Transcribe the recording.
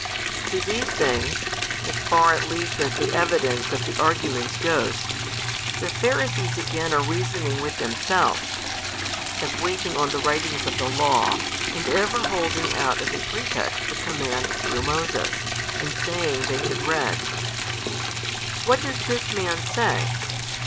To these things (as far at least as the evidence of the arguments goes) the Pharisees again are reasoning with themselves (as waiting on the writings of the law, and ever holding out as a pretext the commands through Moses, and saying they had read) What does this Man say?